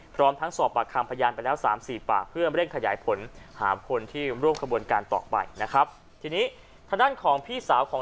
พร้อมทั้งสอบปากคามพยานไปแล้ว๓๔ป่าว